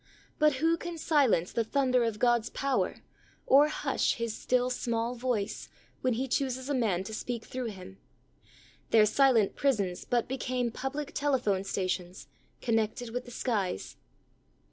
But who can silence the thunder of God's power, or hush His "still small voice," when He chooses a man to speak through him? Their silent prisons but become public telephone stations, con nected with the skies.